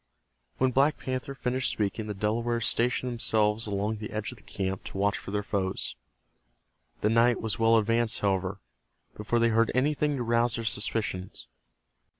When Black Panther finished speaking the Delawares stationed themselves along the edge of the camp to watch for their foes. The night was well advanced, however, before they heard anything to rouse their suspicions.